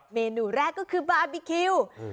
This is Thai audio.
เมนูแรกก็คือบาร์บีคิว